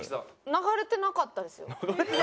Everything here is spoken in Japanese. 流れてなかったですよ。